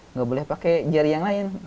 nggak boleh pakai jari yang lain